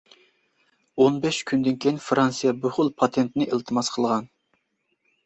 ئون بەش كۈندىن كېيىن فىرانسىيە بۇ خىل پاتېنتنى ئىلتىماس قىلغان.